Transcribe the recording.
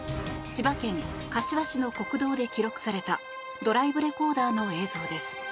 千葉県柏市の国道で記録されたドライブレコーダーの映像です。